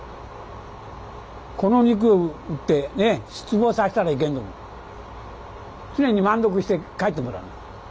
この肉売ってね失望させたらいけんと思って常に満足して帰ってもらわな。